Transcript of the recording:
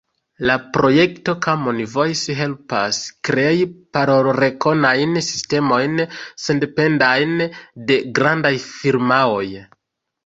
La projekto Common Voice helpas krei parolrekonajn sistemojn, sendependajn de grandaj firmaoj.